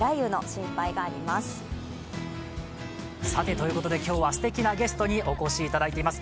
ということで今日はすてきなゲストにお越しいただいています。